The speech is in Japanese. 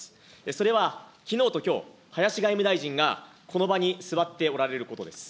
それは、きのうときょう、林外務大臣がこの場に座っておられることです。